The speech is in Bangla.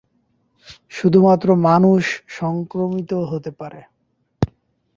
শুধুমাত্র মানুষ সংক্রমিত হতে পারে।